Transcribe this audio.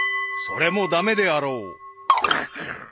［それも駄目であろう］